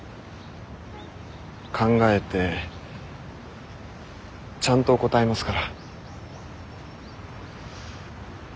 考えてちゃんと答えますから。